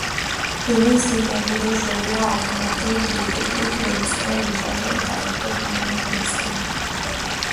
তিনি সিঙ্গাপুরের শরিয়া আদালতে ডেপুটি রেজিস্টার হিসেবে দায়িত্ব পালন করেছেন।